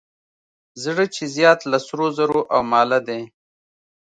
زړه چې زیات له سرو زرو او ماله دی.